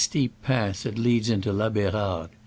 steep path that leads into La B^rarde.